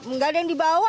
nggak ada yang dibawa